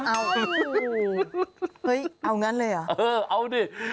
เอาเฮ้ยเอางั้นเลยเหรอเออเอาดิ